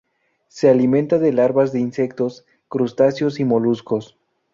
Se alimenta de larvas de insectos, crustáceos y moluscos.